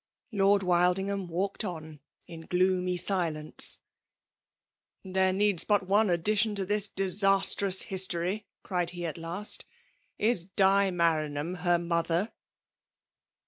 ' Lord Wlldingham walked on, in gloomy silence. ''There needs but one addition* td ihis disastrous history," cried he at last. Is tX liaYanham her mother